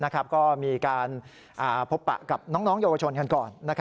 ก็มีการพบปะกับน้องเยาวชนกันก่อน